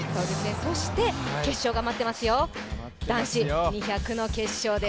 そして決勝が待っていますよ、男子２００ｍの決勝です。